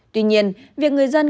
tuy nhiên việc người dân